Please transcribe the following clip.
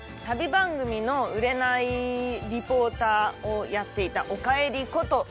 旅番組の売れないリポーターをやっていた「おかえり」こと